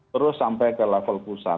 terus sampai ke level pusat